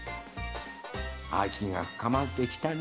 あきがふかまってきたのう。